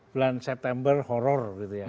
bulan september horror gitu ya